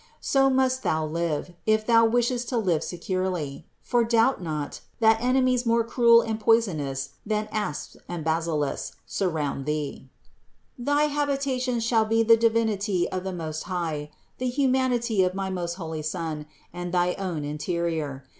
So must thou live, if thou wishest to live securely ; for doubt not, that enemies more cruel and poisonous than asps and basilisks surround thee. 228 CITY OF GOD 280. Thy habitations shall be the Divinity of the Most High, the humanity of my most holy Son, and thy own interior.